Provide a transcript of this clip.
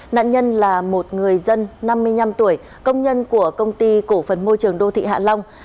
nạn nhân là một người dân năm mươi năm tuổi công nhân của công ty cổ phần môi trường đô thị hạ long